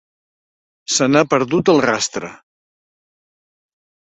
Se n'ha perdut el rastre.